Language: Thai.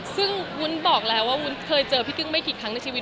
ซึ่งวุ้นบอกแล้วว่าวุ้นเคยเจอพี่กึ้งไม่กี่ครั้งในชีวิต